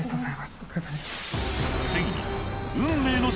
お疲れさまです。